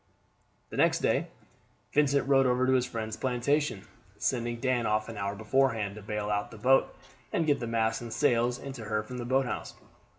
The next day Vincent rode over to his friend's plantation, sending Dan off an hour beforehand to bail out the boat and get the masts and sails into her from the boathouse.